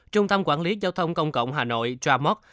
trung tâm quản lý giao thông công cộng hà nội tramot